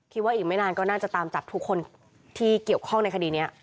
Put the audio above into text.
อีกไม่นานก็น่าจะตามจับทุกคนที่เกี่ยวข้องในคดีนี้